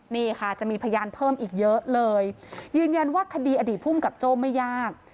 นี่ค่ะจะมีพยานเพิ่มอีกเยอะเลยยืนยันว่าคดีอดีตภูมิกับโจ้ไม่ยาก